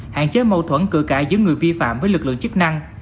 hạn chế mâu thuẫn cự cãi giữa người vi phạm với lực lượng chức năng